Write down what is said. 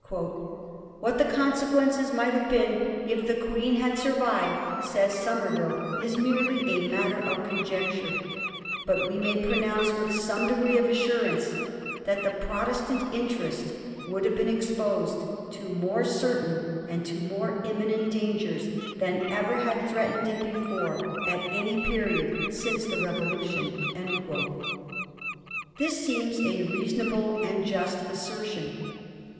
* What the consequence might have been, if the Queen had survived,' says Somerville, * is merely a matter of conjecture ; but we may pronoimce, with some degree of assurance, that the Protestant interest would have been exposed to more certain and to more imminent dangers than ever had threatened it before at any period since the Revolution.' This seems a reason able and just assertion.